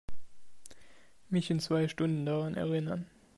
Mich in zwei Stunden daran erinnern.